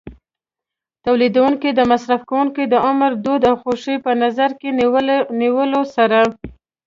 تولیدوونکي د مصرف کوونکو د عمر، دود او خوښۍ په نظر کې نیولو سره.